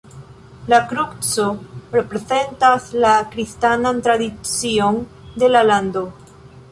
La kruco reprezentas la kristanan tradicion de la lando.